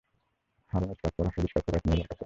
হারেমে headscarf পড়া এক মহিলার কাছে?